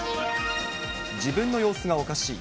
自分の様子がおかしい。